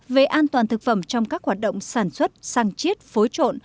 về an toàn thực phẩm trong các hoạt động sản xuất sang chiết phối trộn